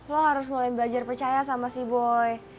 lo harus mulai belajar percaya sama si boy